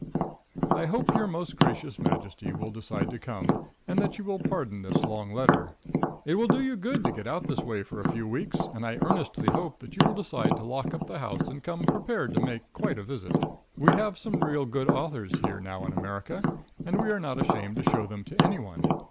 I hope your most gracious majesty will decide to come, and that you will pardon this long letter. It will do you good to get out this way for a few weeks, and I earnestly hope that you will decide to lock up the house and come prepared to make quite a visit. We have some real good authors here now in America, and we are not ashamed to show them to any one.